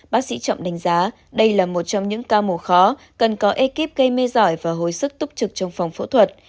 bác sĩ chậm đánh giá đây là một trong những ca mổ khó cần có ekip gây mê giỏi và hồi sức túc trực trong phòng phẫu thuật